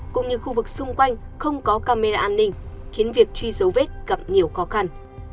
cũng như khu vực xung quanh không có camera an ninh khiến việc truy dấu vết gặp nhiều khó khăn